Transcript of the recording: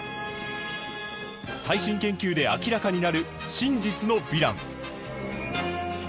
最新研究で明らかになる真実のヴィラン！